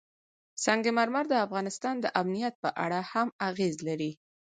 سنگ مرمر د افغانستان د امنیت په اړه هم اغېز لري.